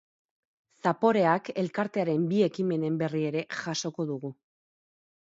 Zaporeak elkartearen bi ekimenen berri ere jasoko dugu.